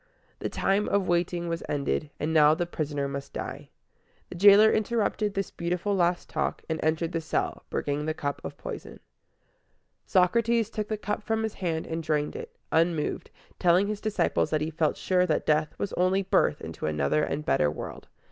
The time of waiting was ended, and now the prisoner must die. The jailer interrupted this beautiful last talk, and entered the cell, bringing the cup of poison. Socrates took the cup from his hand and drained it, unmoved, telling his disciples that he felt sure that death was only birth into another and better world.